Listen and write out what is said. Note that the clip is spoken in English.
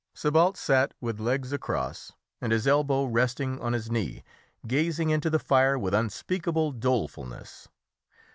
Sébalt sat with legs across, and his elbow resting on his knee, gazing into the fire with unspeakable dolefulness.